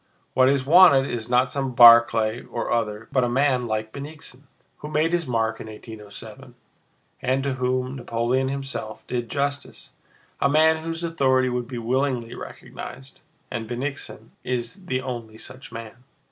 What is wanted is not some Barclay or other, but a man like Bennigsen, who made his mark in 1807, and to whom Napoleon himself did justice—a man whose authority would be willingly recognized, and Bennigsen is the only such man."